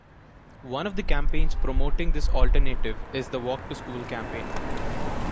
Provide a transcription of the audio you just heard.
One of the campaigns promoting this alternative is the walk to school campaign.